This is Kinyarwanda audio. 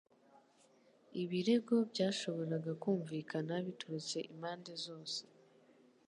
Ibirego byashoboraga kumvikana biturutse impande zose